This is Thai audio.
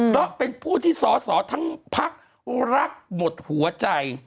เพราะเป็นผู้ที่สอสอทั้งพักรักหมดหัวใจ